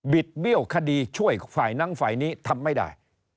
เบี้ยวคดีช่วยฝ่ายนั้นฝ่ายนี้ทำไม่ได้